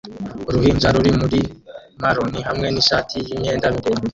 Uruhinja ruri muri marone hamwe nishati yimyenda miremire